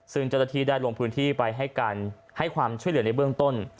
ซึ่งเจ้าหน้าที่ได้ลงพื้นที่ไปให้การให้ความช่วยเหลือในเบื้องต้น